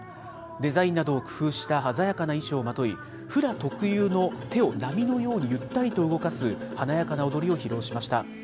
デザインなどを工夫した鮮やかな衣装をまとい、フラ特有の手を波のようにゆったりと動かす、華やかな踊りを披露しました。